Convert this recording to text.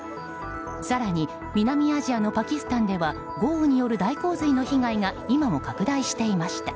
更に、南アジアのパキスタンでは豪雨による大洪水の被害が今も拡大していました。